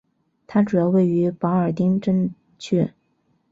它主要位于保尔丁镇区。